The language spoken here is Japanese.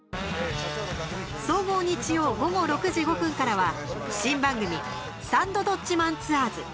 総合、日曜午後６時５分からは新番組「サンドどっちマンツアーズ」。